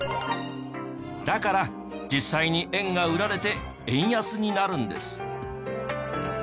だから実際に円が売られて円安になるんです。